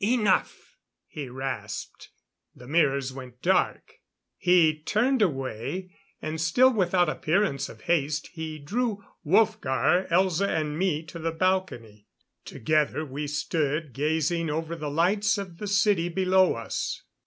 "Enough," he rasped. The mirrors went dark. He turned away; and still without appearance of haste he drew Wolfgar, Elza and me to the balcony. Together we stood gazing over the lights of the city below us.